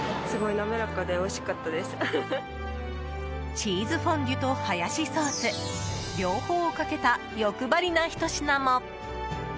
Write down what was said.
チーズフォンデュとハヤシソース両方をかけた欲張りなひと品も。